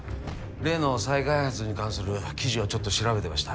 例の再開発に関する記事をちょっと調べてました。